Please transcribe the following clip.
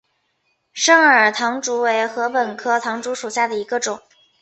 肾耳唐竹为禾本科唐竹属下的一个种。